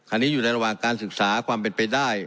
อันนี้อยู่ในระหว่างการศึกษาความเป็นไปได้